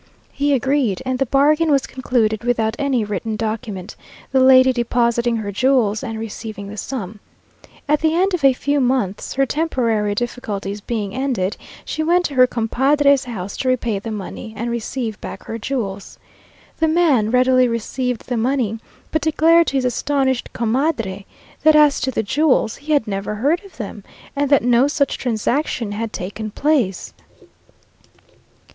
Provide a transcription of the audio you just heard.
He agreed, and the bargain was concluded without any written document, the lady depositing her jewels and receiving the sum. At the end of a few months, her temporary difficulties being ended, she went to her compadre's house to repay the money, and receive back her jewels. The man readily received the money, but declared to his astonished comadre, that as to the jewels, he had never heard of them, and that no such transaction had taken place.